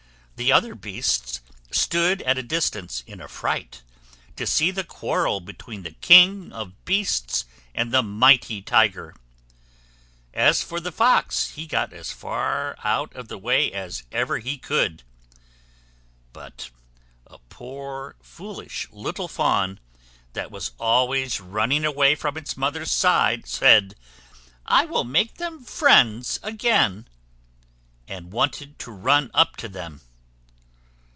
The other beasts stood at a distance, in affright, to see the quarrel between the king of beasts and the mighty Tiger. As for the Fox he got as far out of the way as ever he could. But a poor foolish little Fawn, that was always running away from its mother's side, said, "I will make them friends again;" and wanted to run up to them.